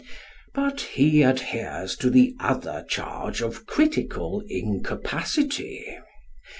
But he adheres to the other charge of critical incapacity.